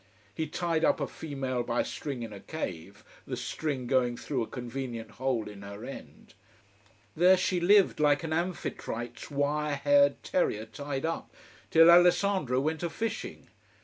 He tied up a female by a string in a cave the string going through a convenient hole in her end. There she lived, like an Amphitrite's wire haired terrier tied up, till Alessandro went a fishing.